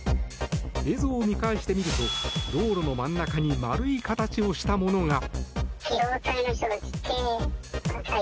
映像を見返してみると道路の真ん中に丸い形をしたものが。